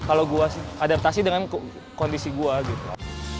kalau gue adaptasi dengan kondisi gue gitu